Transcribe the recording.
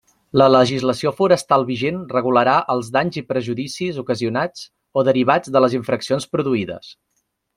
La legislació forestal vigent regularà els danys i perjuís ocasionats o derivats de les infraccions produïdes.